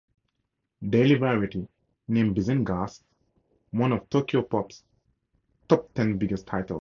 "Daily Variety" named "Bizenghast" one of Tokyopop's top ten biggest titles.